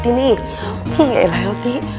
ini eh lah ya tih